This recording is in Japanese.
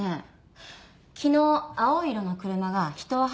昨日青い色の車が人をはねて逃げたの。